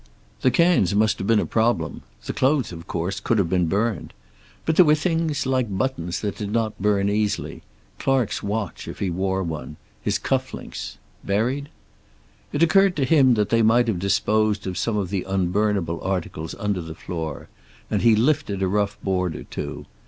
The cans must have been a problem; the clothes, of course, could have been burned. But there were things, like buttons, that did not burn easily. Clark's watch, if he wore one, his cuff links. Buried? It occurred to him that they might have disposed of some of the unburnable articles under the floor, and he lifted a rough board or two.